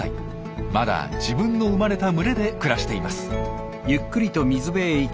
まだ自分の生まれた群れで暮らしています。